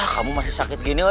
kamu masih sakit gini